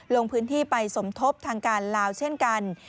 ลงพื้นที่ไปสมทบทางการลาวเช่นกัน